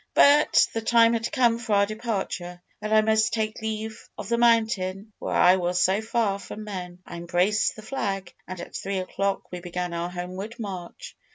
"But the time had come for our departure, and I must take leave of the mountain where I was so far from men! I embraced the flag, and at three o'clock we began our homeward march.